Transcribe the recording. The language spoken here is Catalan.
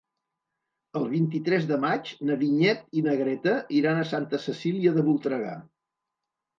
El vint-i-tres de maig na Vinyet i na Greta iran a Santa Cecília de Voltregà.